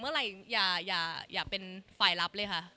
เมื่อไหร่อย่าเป็นฝ่ายรับเลยค่ะ